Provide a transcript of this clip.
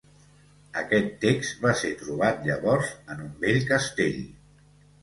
Aquest text va ser trobat llavors en un vell castell.